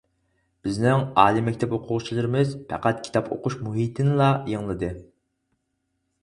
بىزنىڭ ئالىي مەكتەپ ئوقۇغۇچىلىرىمىز پەقەت كىتاب ئوقۇش مۇھىتىنىلا يېڭىلىدى.